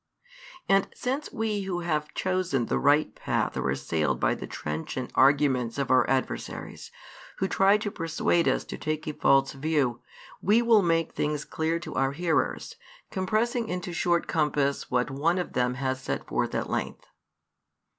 And since we who have chosen the right path are assailed by the trenchant arguments of our adversaries, who try to persuade us to take a false view, we will make things clear to our hearers, compressing into short compass what one of them has set forth at length.